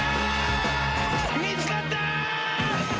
見つかった！